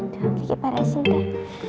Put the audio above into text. duh kiki paresin deh